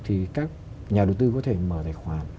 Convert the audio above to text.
thì các nhà đầu tư có thể mở tài khoản